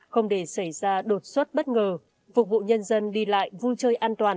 không để xảy ra đột xuất bất ngờ phục vụ nhân dân đi lại vui chơi an toàn